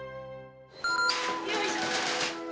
よいしょ。